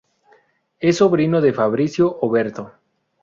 Es sobrino de Fabricio Oberto.